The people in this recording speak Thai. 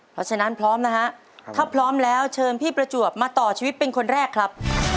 เพราะฉะนั้นพร้อมนะฮะถ้าพร้อมแล้วเชิญพี่ประจวบมาต่อชีวิตเป็นคนแรกครับ